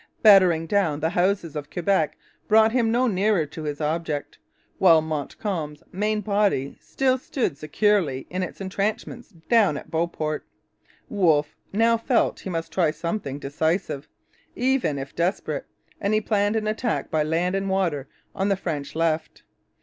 Battering down the houses of Quebec brought him no nearer to his object, while Montcalm's main body still stood securely in its entrenchments down at Beauport. Wolfe now felt he must try something decisive, even if desperate; and he planned an attack by land and water on the French left.